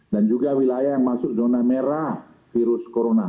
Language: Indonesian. dan juga wilayah yang masuk zona merah virus corona